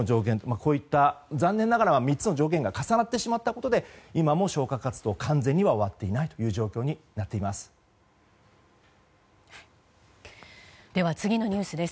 こういった、残念ながら３つの条件が重なってしまったことで今も消火活動が完全に終わっていない状況になっています。